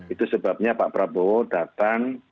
itu sebabnya pak prabowo datang